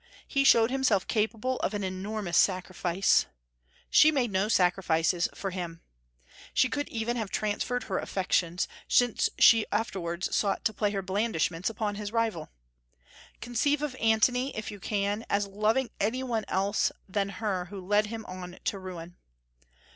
He showed himself capable of an enormous sacrifice. She made no sacrifices for him. She could even have transferred her affections, since she afterwards sought to play her blandishments upon his rival. Conceive of Antony, if you can, as loving any one else than her who led him on to ruin.